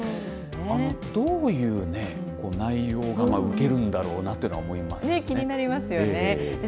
どういう内容がうけるんだろうなというのは気になりますよね。